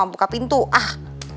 buka pintu ah